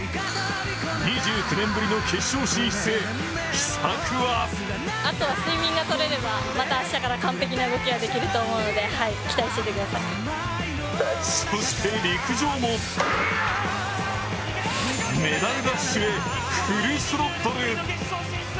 ２９年ぶりの決勝進出へ秘策はそして陸上もメダルラッシュへフルスロットル。